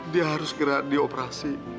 dia harus gerak di operasi